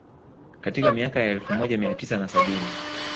Katika miaka ya elfu moja mia tisa na sabini